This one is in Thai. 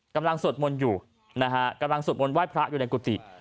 กำลังสดหมวนอยู่นะฮะกำลังสดหมวนวาดพระอยู่ในกุฏิ